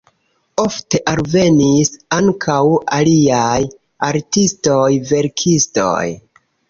Ofte alvenis ankaŭ aliaj artistoj, verkistoj.